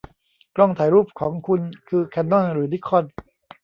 กล้องถ่ายรูปของคุณคือแคนนอนหรือนิคอน